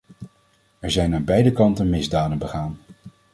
Er zijn aan beide kanten misdaden begaan.